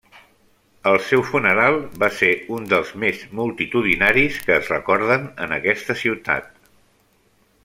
El seu funeral va ser un dels més multitudinaris que es recorden en aquesta ciutat.